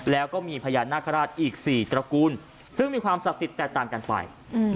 แล้วก็มีพญานาคาราชอีก๔ตระกูลซึ่งมีความศักดิ์สิทธิ์แตกต่างกันไป